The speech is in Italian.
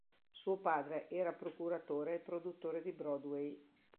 Suo padre era procuratore e produttore di Broadway.